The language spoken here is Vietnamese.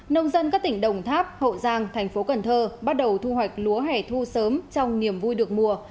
nông dân các tỉnh đồng tháp hậu giang thành phố cần thơ bắt đầu thu hoạch lúa hẻ thu sớm trong niềm vui được mùa